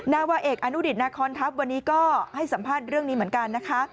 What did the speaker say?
นาวาเอกอนุดิตนาคอนทัพวันนี้ก็ให้สัมภาษณ์เรื่องนี้เหมือนกันนะคะ